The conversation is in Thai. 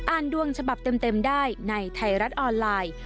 ดวงฉบับเต็มได้ในไทยรัฐออนไลน์